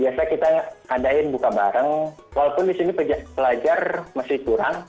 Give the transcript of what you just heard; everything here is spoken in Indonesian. biasanya kita ngadain buka bareng walaupun di sini pelajar masih kurang